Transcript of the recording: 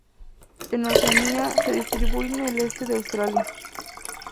En Oceanía, se distribuye en el este de Australia.